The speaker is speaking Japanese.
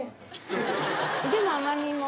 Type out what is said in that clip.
でも甘みも。